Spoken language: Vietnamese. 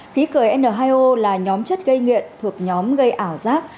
khí cười n hai o là nhóm chất gây nghiện thuộc nhóm gây ảo giác